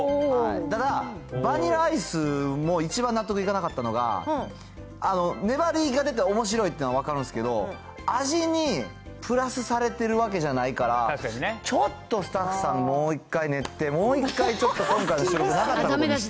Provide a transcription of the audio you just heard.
ただ、バニラアイスも一番納得いかなかったのが、粘りが出ておもしろいというのは分かるんですけど、味にプラスされてるわけじゃないから、ちょっとスタッフさん、もう一回練って、もう一回ちょっと今回の収録なかったことにして。